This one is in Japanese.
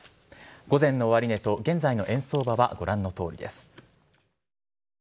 午前の終値と現在の円相場はご覧のとおりです。